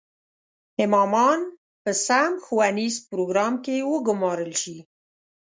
امامان په سم ښوونیز پروګرام کې وګومارل شي.